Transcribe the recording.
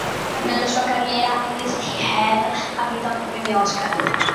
Nella sua carriera, Edith Head ha vinto otto Premi Oscar.